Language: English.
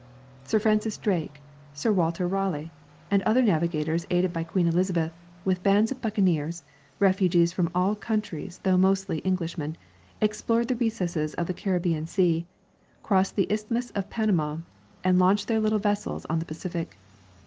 Sir Francis Drake, Sir Walter Raleigh, and other navigators, aided by Queen Elizabeth, with bands of buccaneers, refugees from all countries though mostly Englishmen, explored the re cesses of the Caribbean sea, crossed the isthmus of Panama, and launched their little vessels on the Pacific.